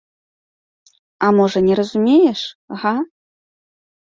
А можа, не разумееш, га?